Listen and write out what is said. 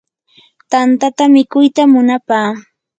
tantata mikuytam munapaa.